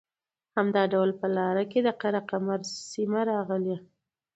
همدا ډول په لاره کې د قره کمر سیمه راغلې